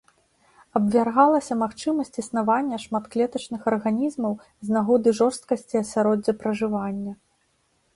Абвяргалася магчымасць існавання шматклетачных арганізмаў з нагоды жорсткасці асяроддзя пражывання.